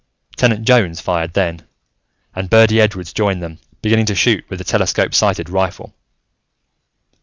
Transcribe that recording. Tenant Jones fired then, and Birdy Edwards joined them, beginning to shoot with the telescope sighted rifle.